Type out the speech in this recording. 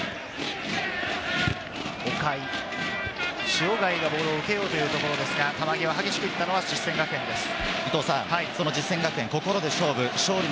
塩貝がボールを受けようというところですが、球際、激しく行ったのは実践です。